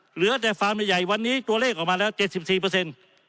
เหลือแต่ฟาร์มใหญ่วันนี้ตัวเลขออกมาแล้วเจ็ดสิบสี่เปอร์เซ็นต์